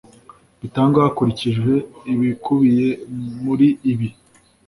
bitangwa hakurikijwe ibikubiye muri ibi